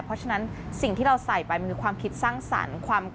เพราะฉะนั้นสิ่งที่เราใส่ไปมันมีความคิดสร้างสรรค์